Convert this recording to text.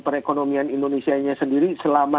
perekonomian indonesia sendiri selama